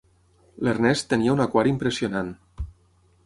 L'Ernest tenia un aquari impressionant.